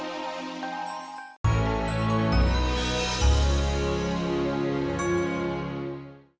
seorang yang lebih baik